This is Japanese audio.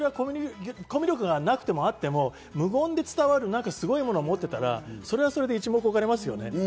コミュ力がなくてもあっても無言で伝わるすごいものを持っていたらそれはそれで一目置かれますよね。